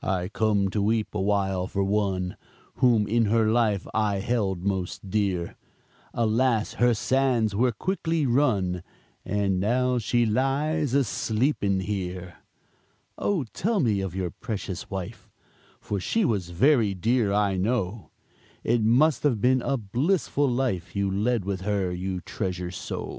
"I come to weep a while for one Whom in her life I held most dear, Alas, her sands were quickly run, And now she lies a sleeping here." "Oh, tell me of your precious wife, For she was very dear, I know, It must have been a blissful life You led with her you treasure so?"